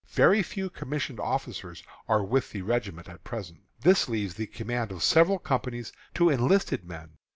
Very few commissioned officers are with the regiment at present. This leaves the command of several companies to enlisted men.